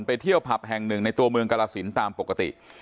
ไปเที่ยวผับแห่งหนึ่งในตัวเมืองกรสินตามปกติ